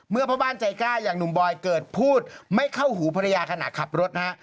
พ่อบ้านใจกล้าอย่างหนุ่มบอยเกิดพูดไม่เข้าหูภรรยาขณะขับรถนะฮะ